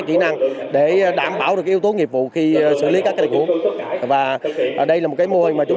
kỹ năng để đảm bảo được yếu tố nghiệp vụ khi xử lý các kỹ thuật và đây là một mô hình mà chúng